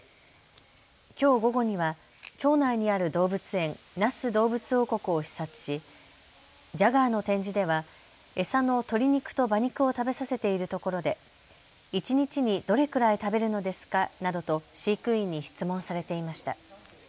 きょう午後には町内にある動物園那須どうぶつ王国を視察しジャガーの展示では餌の鶏肉と馬肉を食べさせているところで一日にどれくらい食べるのですかなどと飼育員に質問されていました。